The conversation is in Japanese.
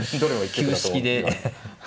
旧式で。